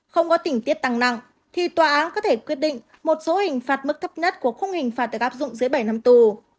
không có tỉnh tiết tăng nặng thì tòa án có thể quyết định một số hình phạt mức thấp nhất của khung hình phạt được áp dụng dưới bảy năm tù